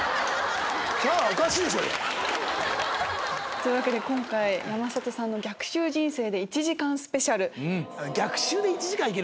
というわけで今回山里さんの逆襲人生で１時間スペシャル。